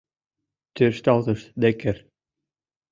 — тӧршталтыш Деккер.